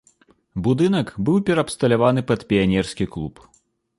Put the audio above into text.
Будынак быў пераабсталяваны пад піянерскі клуб.